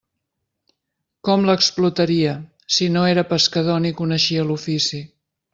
Com l'explotaria, si no era pescador ni coneixia l'ofici?